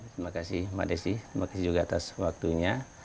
terima kasih mbak desi terima kasih juga atas waktunya